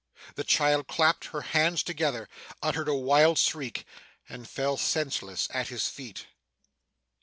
The child clapped her hands together, uttered a wild shriek, and fell senseless at his feet.